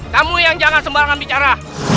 kamu yang jangan sembarangan bicara